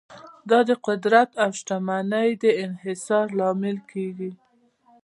دا د قدرت او شتمنۍ د انحصار لامل کیږي.